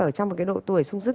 ở trong một cái độ tuổi sung sức